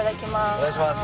お願いします。